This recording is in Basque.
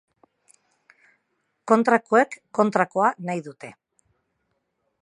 Kontrakoek kontrakoa nahi dute.